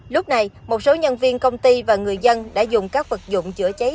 lúc này một số nhân viên công ty và người dân đã dùng các vật dụng chữa cháy